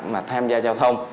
mà tham gia giao thông